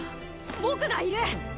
僕がいる！